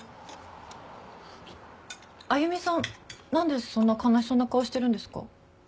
歩さんなんでそんな悲しそうな顔してるんですか？